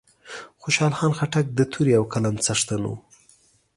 خوشحال خان خټک د تورې او قلم څښتن وو